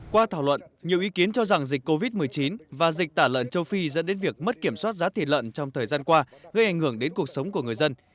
qua thảo luận nhiều ý kiến cho rằng dịch covid một mươi chín và dịch tả lợn châu phi dẫn đến việc mất kiểm soát giá thịt lợn trong thời gian qua gây ảnh hưởng đến cuộc sống của người dân